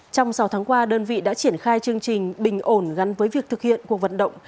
trong sáu tháng qua đơn vị đã triển khai chương trình bình ổn gắn với việc thực hiện cuộc vận động